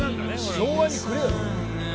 昭和にくれよ。